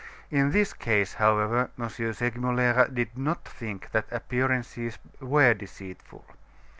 In this case, however, M. Segmuller did not think that appearances were deceitful.